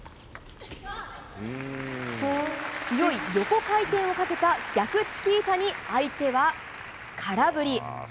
強い横回転をかけた逆チキータに相手は空振り。